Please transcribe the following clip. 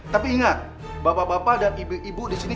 tapi ingat bapak bapak dan ibu ibu di sini